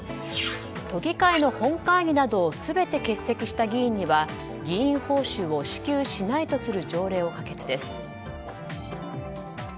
都議会の本会議など全て欠席した議員には議員報酬を支給しないという条例を可決です。